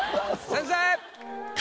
先生！